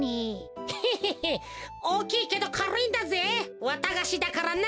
へへへおおきいけどかるいんだぜわたがしだからな。